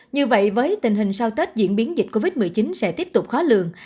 như vậy với tình hình sau tết diễn biến dịch covid một mươi chín sẽ tiếp tục khó lường